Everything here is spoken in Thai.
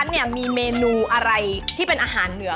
ก็เลยเริ่มทำอาหารเหนือ